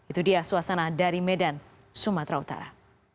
itu dia suasana dari medan sumatera utara